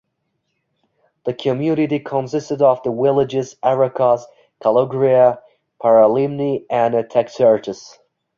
The community consists of the villages Araxos, Kalogria, Paralimni and Taxiarches.